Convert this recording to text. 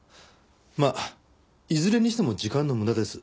まあいずれにしても時間の無駄です。